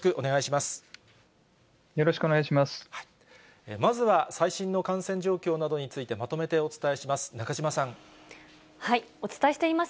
まずは最新の感染状況などについてまとめてお伝えします。